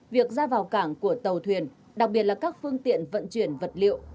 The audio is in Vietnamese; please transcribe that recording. việc ra vào cảng của tàu thuyền đặc biệt là các phương tiện vận chuyển vật liệu